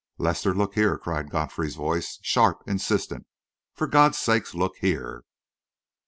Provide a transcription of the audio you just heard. "Lester, look here!" cried Godfrey's voice, sharp, insistent. "For God's sake, look here!"